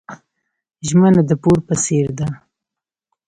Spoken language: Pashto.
ژمنه د پور په څیر ده.